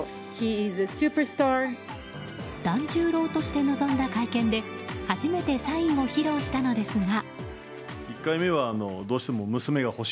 團十郎として臨んだ会見で初めてサインを披露したのですが。